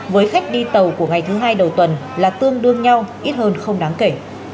với khách đi tàu của ngày thứ hai đầu tuần là tương đương nhau ít hơn không đáng kể